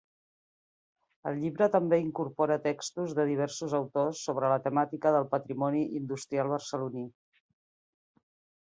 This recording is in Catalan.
El llibre també incorpora textos de diversos autors sobre la temàtica del patrimoni industrial barceloní.